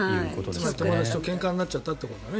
つまり友達とけんかになっちゃったってことだよね